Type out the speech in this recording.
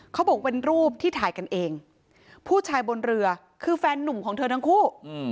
เขาบอกเป็นรูปที่ถ่ายกันเองผู้ชายบนเรือคือแฟนนุ่มของเธอทั้งคู่